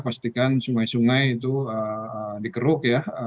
pastikan sungai sungai itu dikeruk ya